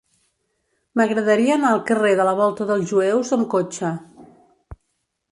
M'agradaria anar al carrer de la Volta dels Jueus amb cotxe.